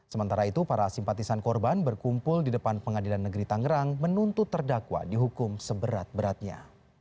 sementara itu para simpatisan korban berkumpul di depan pengadilan negeri tangerang menuntut terdakwa dihukum seberat beratnya